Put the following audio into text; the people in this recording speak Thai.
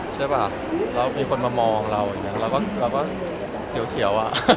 ใช่ป่ะแล้วมีคนมามองเราอย่างนี้เราก็เฉียวอ่ะ